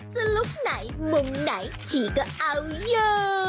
ลุคไหนมุมไหนที่ก็เอาอยู่